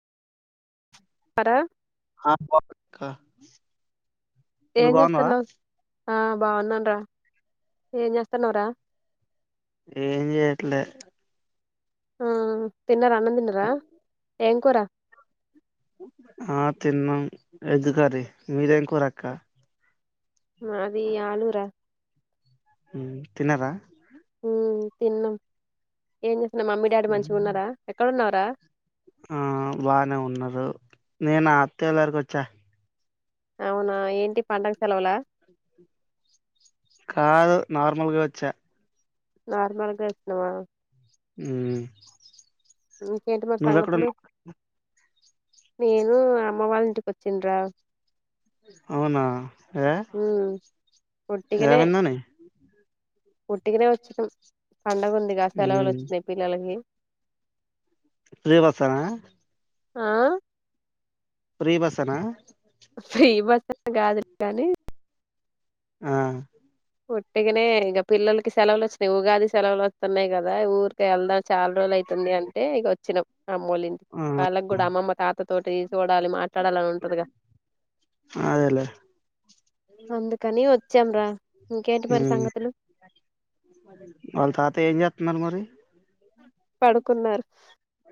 రా కా నువ్వు ఏం బాగున్నావా చేస్తున్నావ్ ఆ బాగున్నాను రా ఏం చేస్తాన్నావ్రా ఏం చెయట్లే ఆ తిన్నార అన్నం తినరా ఏం కోరా ఆ తిన్నాం ఎగ్ కర్రీ మీది ఏం కూర అక్క మాది ఆలూరా ఉమ్ తిన్నరా ఉమ్ తిన్నాం ఏం చేసిన మమ్మీ డాడీ మంచిగా ఉమ్, ఉన్నారా ఎక్కడ ఉన్నవ్ రా ఆ బానే ఉన్నారు నేను అత్త్యగారికి వచ్చా అవునా ఏంటి పండగ సెలవుల కాదు నార్మల్గా వచ్చా నార్మల్గా అచ్చినవా ఉమ్ ఇంకేంటి మరి సంగతులు నేను అమ్మ వాళ్ళ ఇంటికి వచ్చిండ్రా అవునా ఏ ఉమ్ ఉట్టిగనే ఏవైందని ఉట్టిగనే వచ్చిన పండగ ఉందిగా సెలవులు ఉమ్, వచ్చినయి పిల్లలకి ఫ్రీ బస్సనా ఆ ఫ్రీ బస్స్నా ఫ్రీ బస్ అని కాదులే గానీ ఆ ఉట్టిగనే ఇగ పిల్లలకి సెలవులచ్చినాయి ఉగాది సెలవులు వస్తున్నాయి కదా ఊరికి వెళ్దాం చాలా రోజులయి తుంది అంటే ఇగ వచ్చినం మామ్మోళ్ళింటికి ఆ వాళ్ళకి కూడా అమ్మమ్మ తాత తోటి చూడాలి మా ట్లాడాలని ఉంటదిగా అదేలే అందుకని వచ్చాం రా ఇంకేంటి మరి ఉమ్ సంగతులు వాళ్ళ తత ఏం జెత్తున్నారు మరి పడుకున్నారు